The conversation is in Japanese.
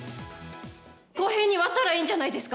公平に割ったらいいんじゃないですか。